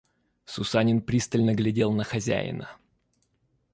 Сусанин пристально глядел на хозяина.